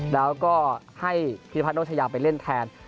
แล้วก็ให้พิทธิพัทย์โนชยาไปเล่นแทน